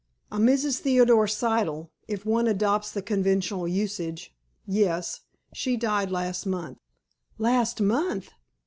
"A Mrs. Theodore Siddle, if one adopts the conventional usage. Yes. She died last month." "Last month!"